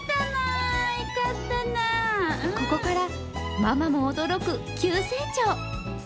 ここからママも驚く急成長。